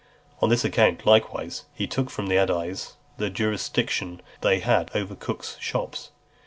On this account, likewise, he took from the aediles the jurisdiction they had over cooks' shops.